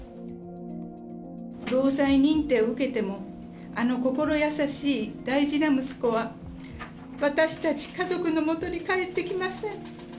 労災認定を受けても、あの心優しい大事な息子は、私たち家族のもとに帰ってきません。